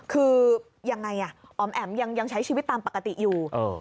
คือยังไงอ๋อมแอ๋มยังใช้ชีวิตตามปกติอยู่